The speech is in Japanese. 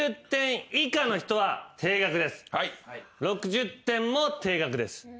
６０点も停学です。